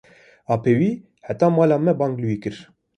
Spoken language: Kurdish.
Apê wî hate mala me bang li wî kir.